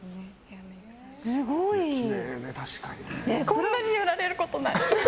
こんなに寄られることない。